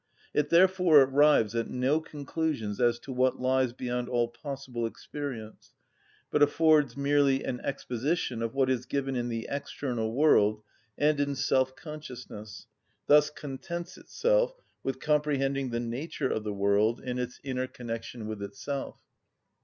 It therefore arrives at no conclusions as to what lies beyond all possible experience, but affords merely an exposition of what is given in the external world and in self‐consciousness, thus contents itself with comprehending the nature of the world in its inner connection with itself.